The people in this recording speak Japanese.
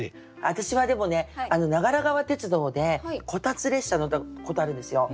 私はでもね長良川鉄道でこたつ列車乗ったことあるんですよ。